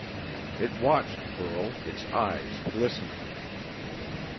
It watched Burl, its eyes glistening.